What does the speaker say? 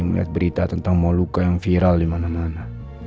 melihat berita tentang mau luka yang viral dimana mana